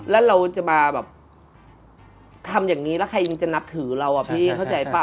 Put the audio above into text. แล้วเราจะมาแบบทำอย่างนี้แล้วใครยังจะนับถือเราอะพี่เข้าใจป่ะ